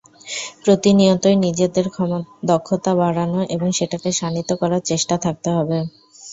প্রতিনিয়তই নিজেদের দক্ষতা বাড়ানো এবং সেটাকে শাণিত করার চেষ্টা থাকতে হবে।